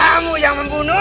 kamu yang membunuhnya